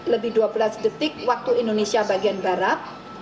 lebih dua belas detik waktu indonesia bagian barat